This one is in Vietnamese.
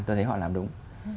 tôi thấy họ làm đúng